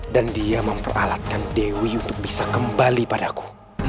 dan dia memperalatkan dewi untuk bisa kembali padaku